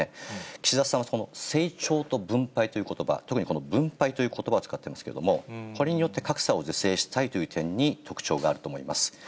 岸田さんはそこの成長と分配ということば、特にこの分配ということばを使っていますけれども、これによって、格差を是正したいという点に特徴があると思います。